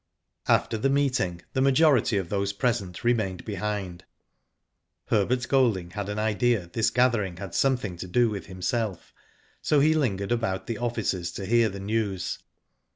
After the meeting the majority of those present remained behind. Herbert Golding had an idea this gathering had something to do with himself, so he lingered about the offices to hear the news.